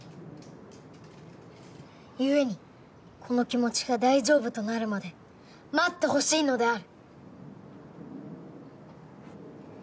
ゆえにこの気持ちが大丈夫となるまで待ってほしいのである。